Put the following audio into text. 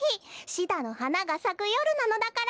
シダのはながさくよるなのだから。